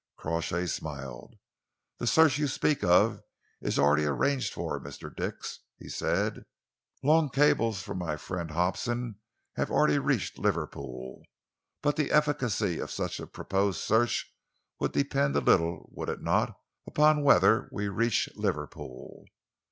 Crawshay smiled. "The search you speak of is already arranged for, Mr. Dix," he said; "long cables from my friend Hobson have already reached Liverpool but the efficacy of such a proposed search would depend a little, would it not, upon whether we reach Liverpool?"